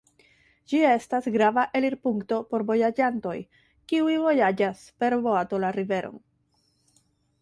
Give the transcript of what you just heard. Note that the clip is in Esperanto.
Ĝi estas grava elirpunkto por vojaĝantoj, kiuj vojaĝas per boato la riveron.